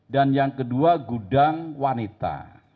dan yang kedua gudang wanita